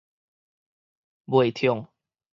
袂暢